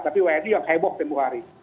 tapi wni yang heboh tempoh hari